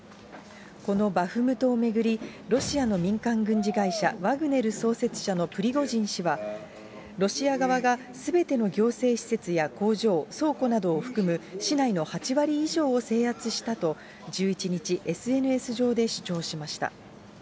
このバフムトを巡り、ロシアの民間軍事会社、ワグネル創設者のプリゴジン氏は、ロシア側がすべての行政施設や工場、倉庫などを含む、市内の８割以上を制圧したと、１１日、ＳＮＳ上で主張しました。